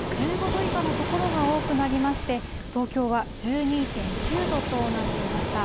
１５度以下の所が多くなりまして、東京は１２．９度となっていました。